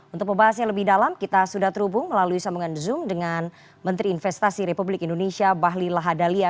untuk pembahasannya lebih dalam kita sudah terhubung melalui sambungan zoom dengan menteri investasi republik indonesia bahlil lahadalia